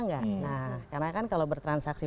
nggak karena kan kalau bertransaksi